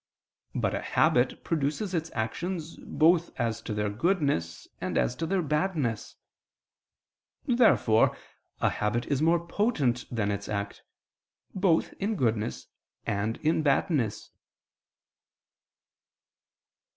But a habit produces its actions both as to their goodness and as to their badness. Therefore a habit is more potent than its act, both in goodness and in badness.